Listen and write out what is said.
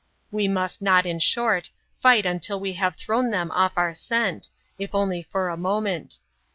We must not, in short, fight until we have thrown them off our scent, if only for a moment.